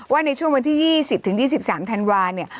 ว่าในช่วงวันที่๒๐๒๓ธันวาเนี่ย